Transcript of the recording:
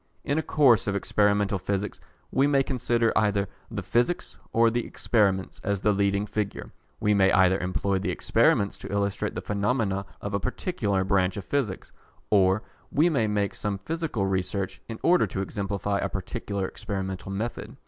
In a course of Experimental Physics we may consider either the Physics or the Experiments as the leading feature. We may either employ the experiments to illustrate the phenomena of a particular branch of Physics, or we may make some physical research in order to exemplify a particular experimental method.